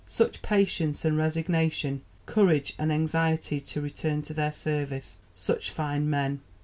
Such patience and resignation, courage, and anxiety to return to their service. Such fine men!"